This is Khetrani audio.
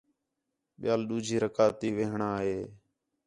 ٻِیال ݙُوجھی رکعت تی ویھݨاں ہِے